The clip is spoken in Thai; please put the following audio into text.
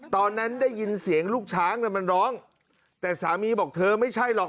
ตอนนั้นได้ยินเสียงลูกช้างมันร้องแต่สามีบอกเธอไม่ใช่หรอก